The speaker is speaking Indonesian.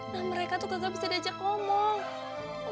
nah mereka tuh gagal bisa diajak ngomong